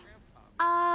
ああ。